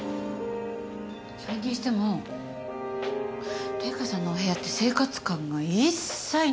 それにしても玲香さんのお部屋って生活感が一切ないんですよ。